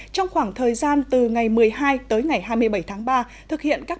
trong khoảng thời gian từ ngày một mươi hai tới hôm nay